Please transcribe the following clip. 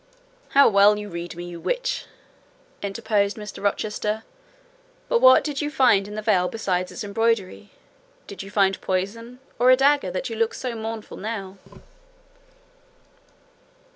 "How well you read me, you witch!" interposed Mr. Rochester: "but what did you find in the veil besides its embroidery? Did you find poison, or a dagger, that you look so mournful now?"